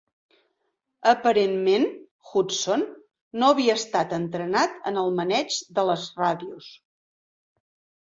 Aparentment, Hudson no havia estat entrenat en el maneig de les ràdios.